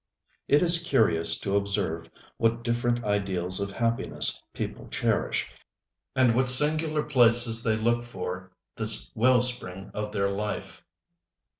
It is curious to observe what different ideals of happiness people cherish, and in what singular places they look for this well spring of their life.